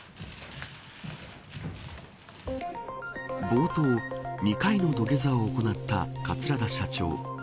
冒頭２回の土下座を行った桂田社長。